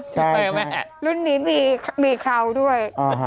ใช่ลุ่นนี้มีเคราด้วย